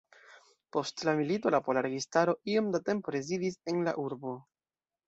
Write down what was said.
Post la milito la pola registaro iom da tempo rezidis en la urbo.